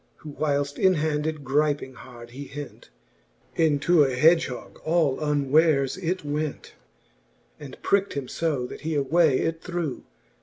Who whileft in hand it gryping hard he hent, Into a hedgehogge all unwares it went, And prickt him ^o^ that he away it threw..